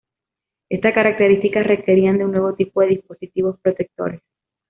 Estas características requerían de un nuevo tipo de dispositivos protectores.